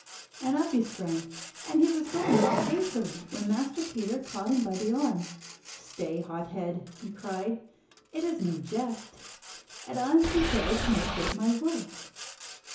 And up he sprang, and was going off hastily, when Master Peter caught him by the arm. "Stay, hothead!" he cried; "it is no jest, and I am prepared to make good my words."